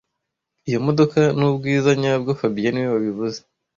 Iyo modoka nubwiza nyabwo fabien niwe wabivuze